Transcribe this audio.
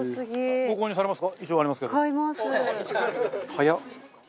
早っ！